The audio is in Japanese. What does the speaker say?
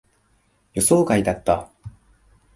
予想外だった。